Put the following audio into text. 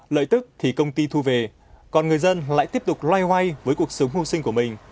lợi tức thì công ty thu về còn người dân lại tiếp tục loay hoay với cuộc sống hưu sinh của mình